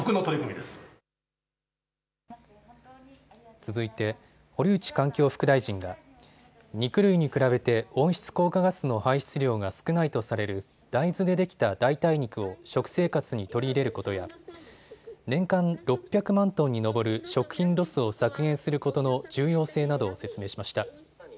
続いて堀内環境副大臣が肉類に比べて温室効果ガスの排出量が少ないとされる大豆でできた代替肉を食生活に取り入れることや年間６００万トンに上る食品ロスを削減することの重要性などを説明しました。